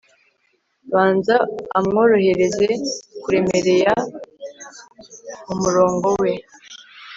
banza amworohereze kuremereye mumurongo we